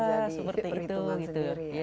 nah ini menjadi perhitungan sendiri